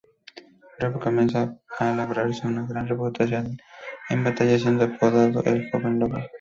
Robb comienza a labrarse una gran reputación en batalla, siendo apodado "El Joven Lobo".